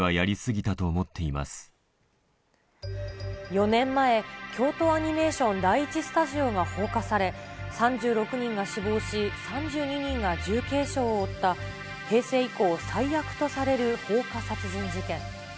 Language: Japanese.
４年前、京都アニメーション第１スタジオが放火され、３６人が死亡し３２人が重軽傷を負った、平成以降最悪とされる放火殺人事件。